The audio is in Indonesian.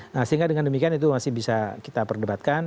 nah sehingga dengan demikian itu masih bisa kita perdebatkan